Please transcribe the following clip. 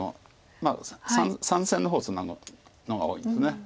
まあ３線の方ツナぐのが多いんです。